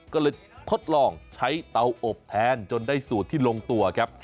ก็เลยทดลองใช้เตาอบแทนจนได้สูตรที่ลงตัวครับ